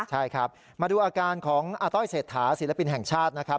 ใช่ครับมาดูอาการของอาต้อยเศรษฐาศิลปินแห่งชาตินะครับ